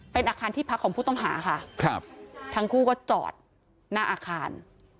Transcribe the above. เป็นอาคารที่พักของผู้ต้องหาค่ะครับทั้งคู่ก็จอดหน้าอาคาร